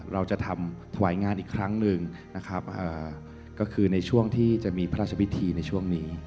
เราจะทำถวายงานอีกครั้งหนึ่งนะครับก็คือในช่วงที่จะมีพระราชพิธีในช่วงนี้